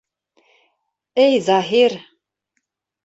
Эй Заһир!